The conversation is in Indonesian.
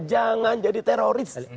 jangan jadi teroris